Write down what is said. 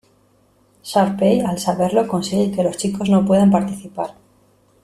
Sharpay al saberlo consigue que los chicos no puedan participar.